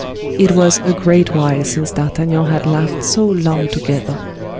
It was a great while since D'Artagnan had laughed so long together.